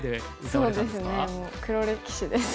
そうですねもう黒歴史です。